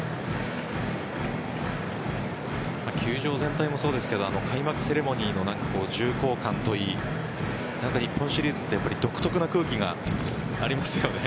球場全体もそうですが開幕セレモニーの重厚感といい何か日本シリーズは独特の空気がありますよね。